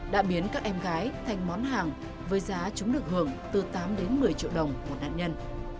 đã biến các em gái thành món hàng với giá chúng được hưởng từ tám đến một mươi triệu đồng một nạn nhân